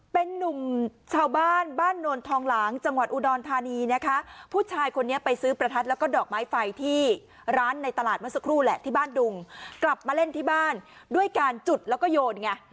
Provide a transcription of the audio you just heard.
เป็นนุ่มชาวบ้านบ้านโนนทองหลางจังหวัดอุดรธานีนะคะผู้ชายคนนี้ไปซื้อประทัดแล้วก็ดอกไม้ไฟที่ร้านในตลาดเมื่อสักครู่แหละที่บ้านดุงกลับมาเล่นที่บ้านด้วยการจุดแล้วก็โยนไง